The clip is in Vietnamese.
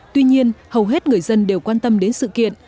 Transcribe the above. tuy nhiên hầu hết người dân đều quan tâm đến sự kiện